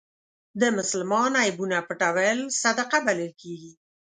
د مسلمان عیبونه پټول صدقه بلل کېږي.